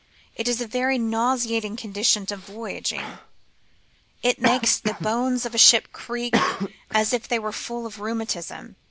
It is a very nauseating condition of voyaging. It makes the bones of ships creak as if CALMS AND SEAS. 131 they were full of rheumatism.